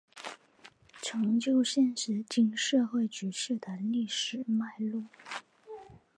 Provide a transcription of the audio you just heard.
成就现今社会局势的历史脉络